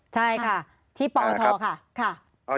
ใช่ค่ะที่ปอทค่ะ